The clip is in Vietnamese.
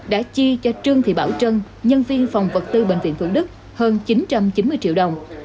đã chi cho trương thị bảo trân nhân viên phòng vật tư bệnh viện thủ đức hơn chín trăm chín mươi triệu đồng